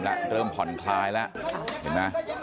เริ่มผ่อนคลายแล้วเห็นมั้ย